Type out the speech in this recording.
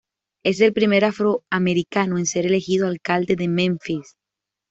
Es el primer afroamericano en ser elegido alcalde de Memphis.